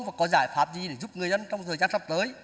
và có giải pháp gì để giúp người dân trong thời gian sắp tới